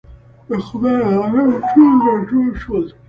د خدای عالم ټول راټول شول.